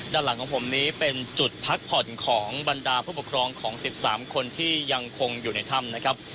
ด้านหลังของผมนี้เป็นจุดพักผ่อนของบรรดาผู้ปกครองของ๑๓คนที่ยังคงอยู่ในถ้ำนะครับ